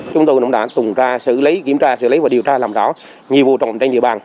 chúng tôi cũng đã kiểm tra xử lý và điều tra làm rõ nhiều vụ trọng trên địa bàn